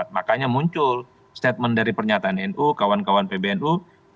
makanya muncul statement dari pernyataan nu kawan kawan pbnu